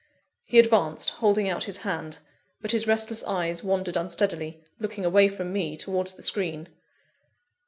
He advanced, holding out his hand; but his restless eyes wandered unsteadily, looking away from me towards the screen.